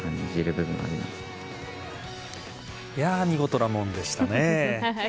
見事なもんでしたね。